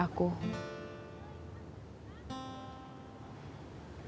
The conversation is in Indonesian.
aku cuma menerima takdir